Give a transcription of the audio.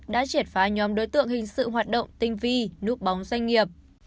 đã triệt phá nhóm đối tượng hình sự hoạt động tinh vi núp bóng doanh nghiệp